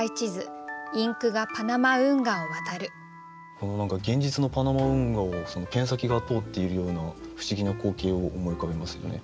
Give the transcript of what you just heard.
この何か現実のパナマ運河をペン先が通っているような不思議な光景を思い浮かべますよね。